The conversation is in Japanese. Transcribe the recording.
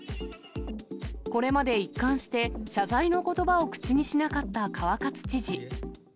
これまで一貫して謝罪のことばを口にしなかった川勝知事。